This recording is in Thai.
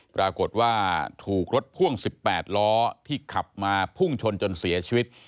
ปรากฏว่าถูกรถพ่วง๑๘ล้อที่ขับมาพุ่งชนจนเสียชีวิต